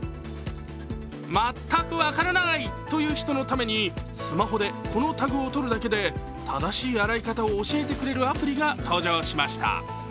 全く分からないという人のためにスマホでこのタグを撮るだけで正しい洗い方を教えてくれるアプリが登場しました。